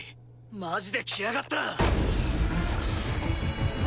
マジで来やがった。